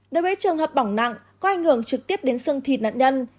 đối với trường hợp bỏng nặng có ảnh hưởng trực tiếp đến xương thịt nạn nhân